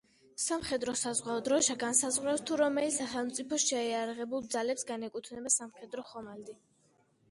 სამხედრო-საზღვაო დროშა განსაზღვრავს, თუ რომელი სახელმწიფოს შეიარაღებულ ძალებს განეკუთვნება სამხედრო ხომალდი.